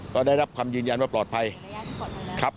ก็ได้รับคำยืนยันว่าปลอดภัยครับ